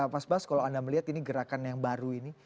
mas bas kalau anda melihat ini gerakan yang baru ini